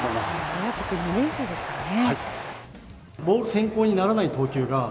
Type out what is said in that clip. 小宅君は２年生ですからね。